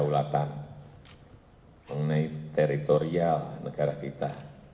kedaulatan mengenai teritorial negara kita